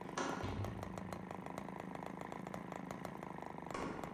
El tratado ha sido interpretado de diversas maneras por los historiadores lituanos y polacos.